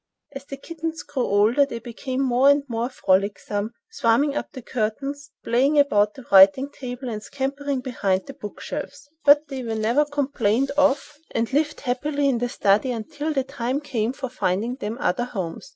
As the kittens grew older they became more and more frolicsome, swarming up the curtains, playing about on the writing table and scampering behind the book shelves. But they were never complained of and lived happily in the study until the time came for finding them other homes.